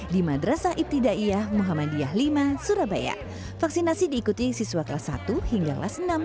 di madrasah ibtidaiyah muhammadiyah v surabaya vaksinasi diikuti siswa kelas satu hingga kelas enam